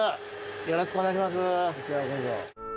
よろしくお願いします。